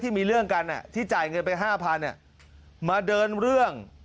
มีเรื่องกันที่จ่ายเงินไป๕๐๐มาเดินเรื่อง